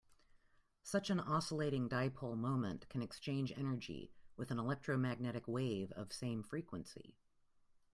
Such an oscillating dipole moment can exchange energy with an electromagnetic wave of same frequency.